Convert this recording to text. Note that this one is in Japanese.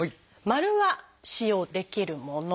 「○」は使用できるもの。